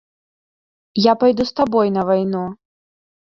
Я пайду з табой на вайну.